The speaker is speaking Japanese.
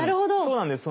そうなんです。